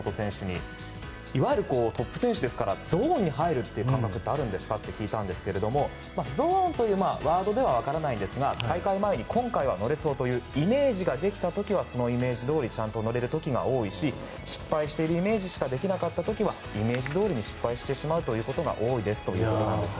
いわゆるトップ選手ですからゾーンに入る感覚ってあるんですか？って聞いたんですけどゾーンというワードでは分からないんですが、大会前に今回は乗れそうというイメージができたときはそのイメージどおりちゃんと乗れる時が多いし失敗しているイメージしかできなかった時はイメージどおりに失敗してしまうことが多いですということでした。